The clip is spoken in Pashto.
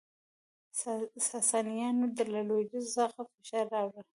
ساسانیانو له لویدیځ څخه فشار راوړ